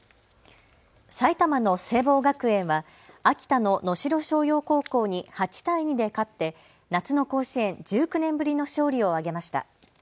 埼玉の聖望学園は秋田の能代松陽高校に８対２で勝って夏の甲子園１９年ぶりの勝利を挙げました。